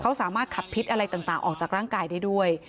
เขาสามารถขับพิษอะไรต่างออกจากร่างกายได้ด้วย